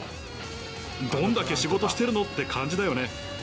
どんだけ仕事してるのって感じだよね。